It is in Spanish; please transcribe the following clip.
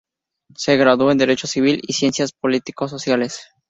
Se graduó en Derecho civil y Ciencias político-sociales.